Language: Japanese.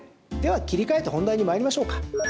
切り替えて本題に参りましょうか。